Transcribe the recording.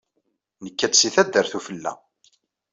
Nekka-d si taddart ufella.